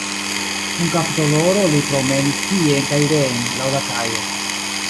Kun kapdoloro li promenis tien kaj reen laŭ la kajo.